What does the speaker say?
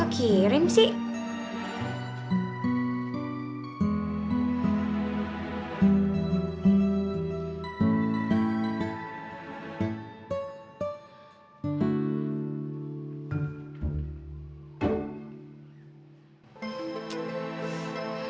wah kirim sih